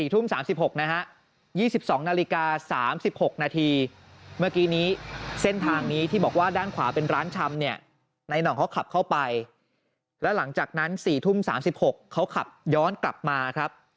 ๓๖นะฮะ๒๒นาฬิกา๓๖นาทีเมื่อกี้นี้เส้นทางนี้ที่บอกว่าด้านขวาเป็นร้านชำเนี่ยในหน่องเขาขับเข้าไปแล้วหลังจากนั้น๔ทุ่ม๓๖เขาขับย้อนกลับมาครับ